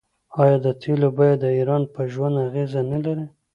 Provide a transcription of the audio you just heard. آیا د تیلو بیه د ایران په ژوند اغیز نلري؟